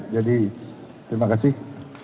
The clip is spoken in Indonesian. jadi terima kasih